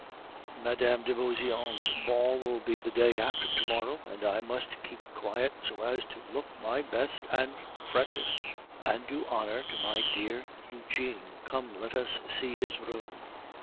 Mme. de Beauseant's ball will be the day after to morrow, and I must keep quiet, so as to look my best and freshest, and do honor to my dear Eugene!... Come, let us see his room."